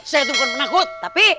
saya tungguin penakut tapi